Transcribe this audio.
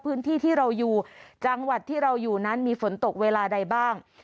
พื้นที่ที่เราอยู่จังหวัดที่เราอยู่นั้นมีฝนตกเวลาใดบ้าง